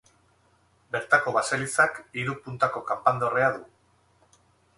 Bertako baselizak hiru puntako kanpandorrea du.